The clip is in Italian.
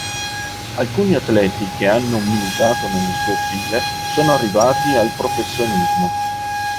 Alcuni atleti che hanno militato nelle sue file sono arrivati al professionismo.